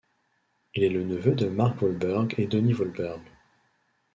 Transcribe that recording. Il est le neveu de Mark Wahlberg et Donnie Wahlberg.